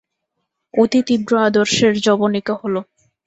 অতি তীব্র আদর্শের যবনিকা হলো।